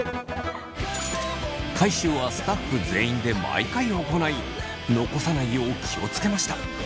回収はスタッフ全員で毎回行い残さないよう気を付けました。